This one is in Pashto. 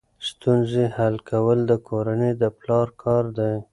ستونزې حل کول د کورنۍ د پلار کار دی.